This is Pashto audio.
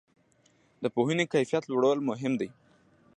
د پوهنې کیفیت لوړول مهم دي؟